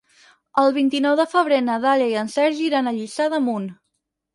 El vint-i-nou de febrer na Dàlia i en Sergi iran a Lliçà d'Amunt.